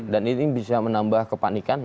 dan ini bisa menambah kepanikan